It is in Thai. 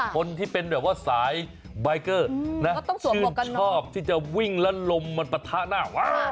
คนที่เป็นสายบายเกอร์ชื่นชอบที่จะวิ่งลั้นลมมันปะทะหน้า